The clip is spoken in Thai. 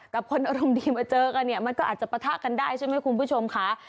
กับคนอารมณ์ดีมาเจอกันเนี่ยมันก็อาจจะปะทะกันได้ใช่ไหมคุณผู้ชมค่ะ